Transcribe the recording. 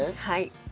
はい。